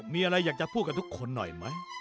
มีอะไรอยากจะพูดกับทุกคนหน่อยไหม